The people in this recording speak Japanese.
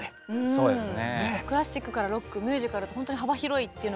そうですね。